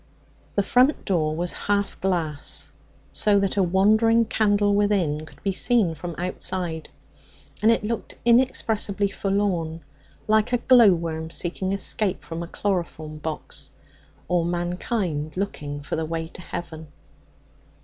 The front door was half glass, so that a wandering candle within could be seen from outside, and it looked inexpressibly forlorn, like a glow worm seeking escape from a chloroform box or mankind looking for the way to heaven.